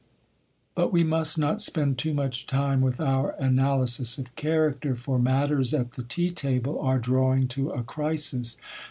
But we must not spend too much time with our analysis of character, for matters at the tea table are drawing to a crisis.